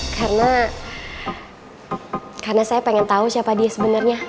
karena karena saya pengen tau siapa dia sebenarnya